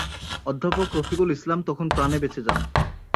অধ্যাপক রফিকুল ইসলাম তখন প্রাণে বেঁচে যান।